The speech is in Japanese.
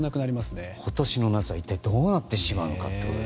今年の夏は一体どうなってしまうのかと。